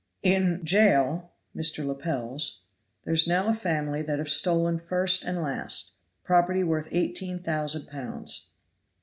"In Jail (Mr. Lepel's), there is now a family that have stolen, first and last, property worth eighteen thousand pounds.